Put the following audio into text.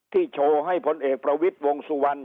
โชว์ให้พลเอกประวิทย์วงสุวรรณ